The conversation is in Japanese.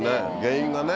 原因がね